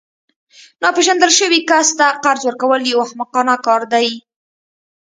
ناپیژندل شوي کس ته قرض ورکول یو احمقانه کار دی